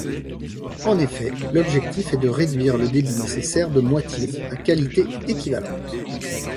En effet, l'objectif est de réduire le débit nécessaire de moitié, à qualité équivalente.